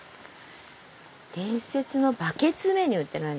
「伝説のバケツメニュー」って何？